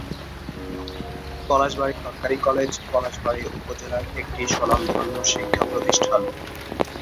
পলাশবাড়ী সরকারি কলেজ পলাশবাড়ী উপজেলার একটি স্বনামধন্য শিক্ষা প্রতিষ্ঠান।